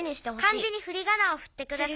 「漢字にふりがなをふってください」。